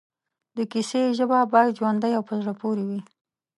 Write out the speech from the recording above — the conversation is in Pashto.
د کیسې ژبه باید ژوندۍ او پر زړه پورې وي